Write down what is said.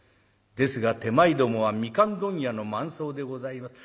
ですが手前どもは蜜柑問屋の万惣でございます。